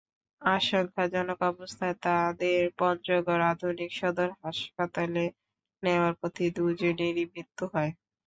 আশঙ্কাজনক অবস্থায় তাদের পঞ্চগড় আধুনিক সদর হাসপাতালে নেওয়ার পথে দুজনেরই মৃত্যু হয়।